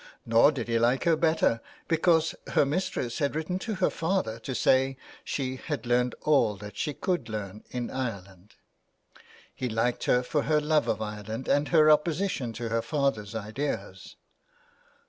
Nor did he like her better because her mistress had written to her father to say she had learned all that she could learn in Ireland. He liked her for her love of Ireland and her opposition to her father's ideas.